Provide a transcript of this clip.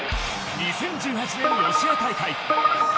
２０１８年ロシア大会。